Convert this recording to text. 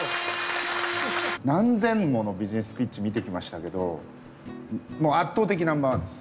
何千ものビジネスピッチ見てきましたけどもう圧倒的ナンバーワンです。